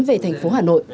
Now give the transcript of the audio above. về thành phố hà nội